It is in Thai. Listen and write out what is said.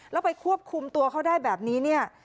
แล้วไปควบคุมตัวเขาได้แบบนี้เนี่ย